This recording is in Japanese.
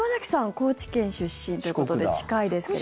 高知県出身ということで近いですけども。